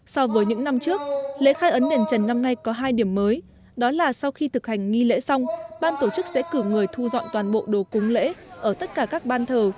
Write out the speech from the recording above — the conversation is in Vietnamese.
so với những năm trước lễ khai ấn đền trần năm nay có hai điểm mới đó là sau khi thực hành nghi lễ xong ban tổ chức sẽ cử người thu dọn toàn bộ đồ cúng lễ ở tất cả các ban thờ